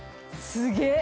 すげえ！